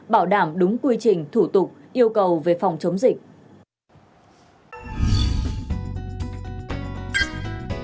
bảo đảm đúng quy trình thủ tục yêu cầu về phòng chống dịch